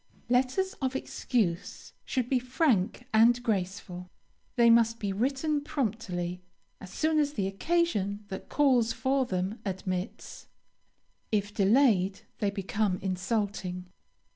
LETTERS OF EXCUSE should be frank and graceful. They must be written promptly, as soon as the occasion that calls for them admits. If delayed, they become insulting.